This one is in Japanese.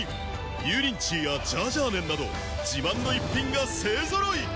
油淋鶏やジャージャー麺など自慢の逸品が勢揃い！